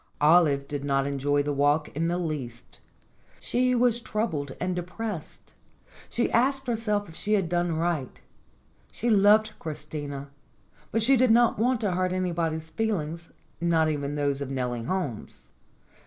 Olive did not enjoy the walk in the least. She was troubled and depressed. She asked herself if she had done right. She loved Christina, but she did not want to hurt anybody's feelings not even those of Nellie Holmes.